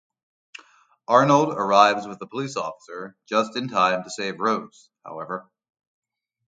Arnold arrives with a police officer just in time to save Rose, however.